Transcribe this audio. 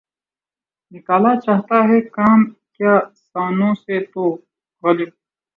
نکالا چاہتا ہے کام کیا طعنوں سے تو؟ غالبؔ!